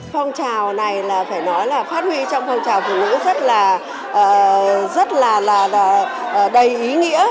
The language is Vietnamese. phong trào này là phải nói là phát huy trong phong trào phụ nữ rất là đầy ý nghĩa